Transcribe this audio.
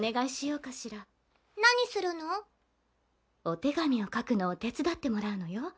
「お手紙を書くのを手伝ってもらうのよ」